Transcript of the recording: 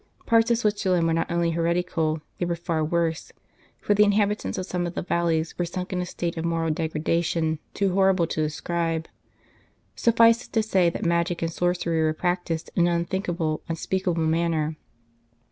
Parts of Switzerland were not only heretical, they were far worse ; for the inhabitants of some of the valleys were sunk in a state of moral degradation too horrible to describe. Suffice it to say that magic and sorcery were practised in an unthink able, unspeakable manner.